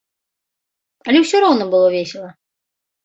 Але ўсё роўна было весела.